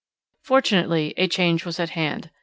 Fortunately a change was at hand.